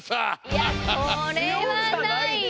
いやそれはないよ。